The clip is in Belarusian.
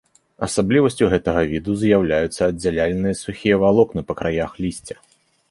Асаблівасцю гэтага віду з'яўляюцца аддзяляльныя сухія валокны па краях лісця.